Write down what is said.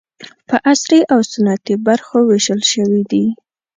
په عصري او سنتي برخو وېشل شوي دي.